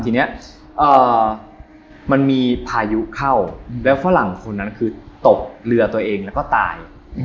ทีนี้มันมีพายุเข้าแล้วฝรั่งคนนั้นคือตกเรือตัวเองแล้วก็ตาย